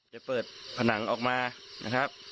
จะเปิดผนังออกมานะครับ